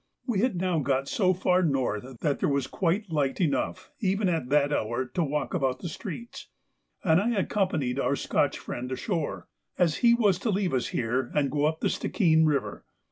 We had now got so far north that there was quite light enough even at that hour to walk about the streets, and I accompanied our Scotch friend ashore, as he was to leave us here and go up the Stickheen river.